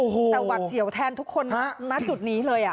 แต่หวัดเสียวแทนทุกคนณจุดนี้เลย